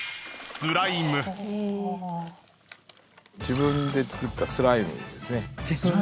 自分で作ったスライムですね。